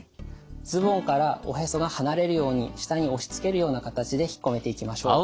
ズボンからおへそが離れるように下に押しつけるような形でひっこめていきましょう。